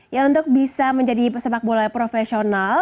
ya untuk bisa menjadi sepak bola profesional